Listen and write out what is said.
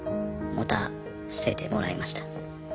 もたせてもらいました。